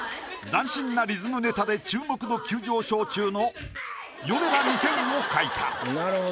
斬新なリズムネタで注目度急上昇中のヨネダ２０００を描いた。